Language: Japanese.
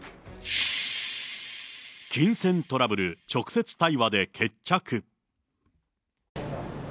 金銭トラブル、直接対話で決着。